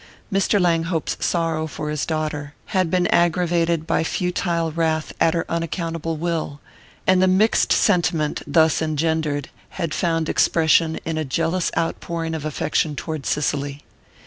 Mr. Langhope's sorrow for his daughter had been aggravated by futile wrath at her unaccountable will; and the mixed sentiment thus engendered had found expression in a jealous outpouring of affection toward Cicely.